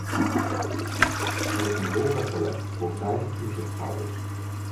Er is een rol weggelegd voor beide toezichthouders.